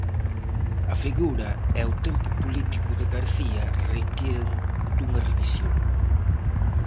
A figura e o tempo político de García requiren dunha revisión.